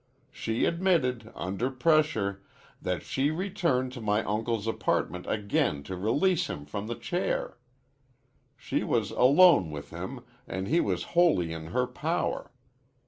She admitted, under pressure, that she returned to my uncle's apartment again to release him from the chair. She was alone with him, an' he was wholly in her power.